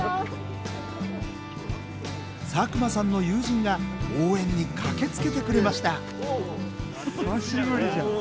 佐久間さんの友人が応援に駆けつけてくれました久しぶりじゃん。